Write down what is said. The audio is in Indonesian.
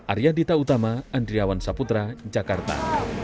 arya dita utama andriawan saputra jakarta